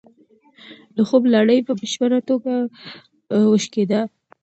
د خوب لړۍ په بشپړه توګه وشکېده.